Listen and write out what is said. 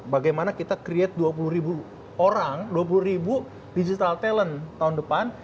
bagaimana kita create dua puluh ribu orang dua puluh ribu digital talent tahun depan